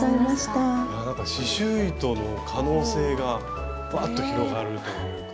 刺しゅう糸の可能性がバッと広がるというか。